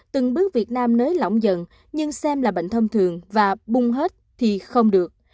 từng bước việt nam nới lỏng dần nhưng xem là bệnh thông thường và bung hết thì không được